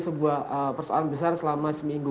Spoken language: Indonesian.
sebuah persoalan besar selama seminggu